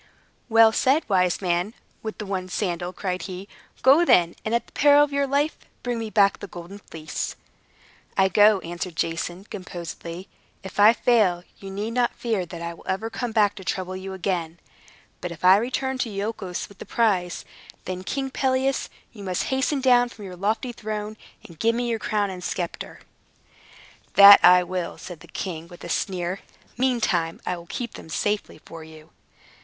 "Well said, wise man with the one sandal!" cried he. "Go, then, and at the peril of your life, bring me back the Golden Fleece." "I go," answered Jason, composedly. "If I fail, you need not fear that I will ever come back to trouble you again. But if I return to Iolchos with the prize, then, King Pelias, you must hasten down from your lofty throne, and give me your crown and sceptre." "That I will," said the king, with a sneer. "Meantime, I will keep them very safely for you."